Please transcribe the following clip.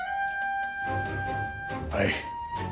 はい。